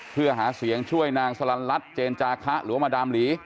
เพื่อหาเสียงช่วยนางสลันรัฐเจนจาคะหรือว่ามาดามหลี